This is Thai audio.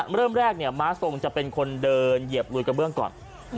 เริ่มแรกเนี่ยม้าทรงจะเป็นคนเดินเหยียบลุยกระเบื้องก่อน